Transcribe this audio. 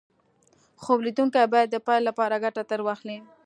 خوب ليدونکي بايد د پيل لپاره ګټه ترې واخلي.